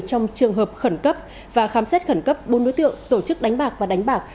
trong trường hợp khẩn cấp và khám xét khẩn cấp bốn đối tượng tổ chức đánh bạc và đánh bạc